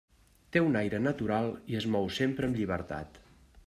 Té un aire natural i es mou sempre amb llibertat.